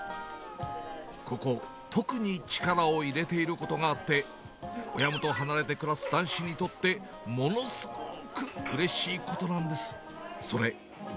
ここ、特に力を入れていることがあって、親元離れて暮らす男子にとって、ものすごくうれしいことなんです。